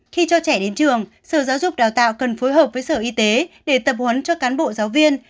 khi cho trẻ đến trường sở giáo dục đào tạo cần phối hợp với sở y tế để tập huấn cho cán bộ giáo viên